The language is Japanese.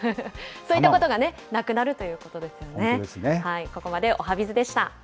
そういったことがね、なくなるという本当ですね。